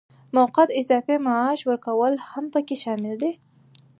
موقت اضافي معاش ورکول هم پکې شامل دي.